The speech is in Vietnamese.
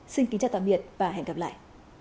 xin kính chào tạm biệt và hẹn gặp lại